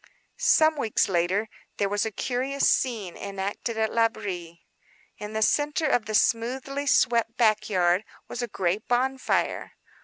Some weeks later there was a curious scene enacted at L'Abri. In the centre of the smoothly swept back yard was a great bonfire.